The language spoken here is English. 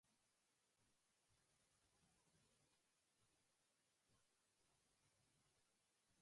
It consists of a repeating Samba dance step.